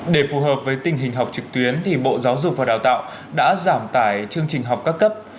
để phù hợp với tình hình học trực tuyến thì bộ giáo dục và đào tạo đã giảm tải chương trình học các cấp